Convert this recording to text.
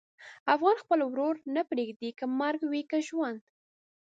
افغان خپل ورور نه پرېږدي، که مرګ وي که ژوند.